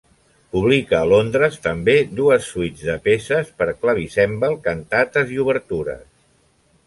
Publica a Londres també dues suites de peces per clavicèmbal, cantates i obertures.